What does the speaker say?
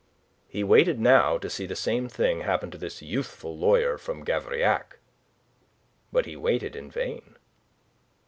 He waited now to see the same thing happen to this youthful lawyer from Gavrillac. But he waited in vain.